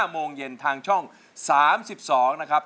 โมงเย็นทางช่อง๓๒นะครับ